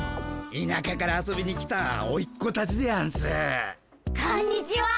いなかから遊びに来たおいっ子たちでやんす。